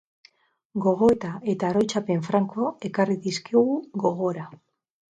Gogoeta eta oroitzapen franko ekarri dizkigu gogora.